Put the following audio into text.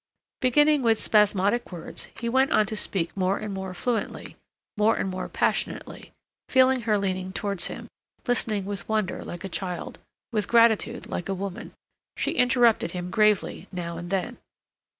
Beginning with spasmodic words, he went on to speak more and more fluently, more and more passionately, feeling her leaning towards him, listening with wonder like a child, with gratitude like a woman. She interrupted him gravely now and then.